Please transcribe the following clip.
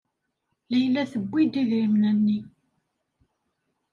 Layla tewwi-d idrimen-nni.